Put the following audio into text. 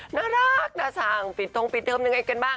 น่ารักน่าช่างปิดทงปิดเทอมยังไงกันบ้าง